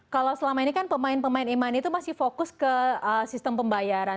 kalau selama ini kan pemain pemain e money itu masih fokus ke sistem pembayaran